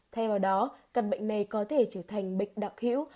thay vào đó căn bệnh này có thể trở thành bệnh đặc hữu